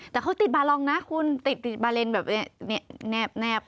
แต่เขาติดบารองนะติดบารนแนบ